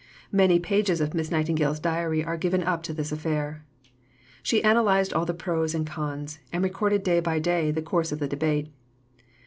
Many pages of Miss Nightingale's diary are given up to this affair. She analysed all the pros and cons, and recorded day by day the course of the debate.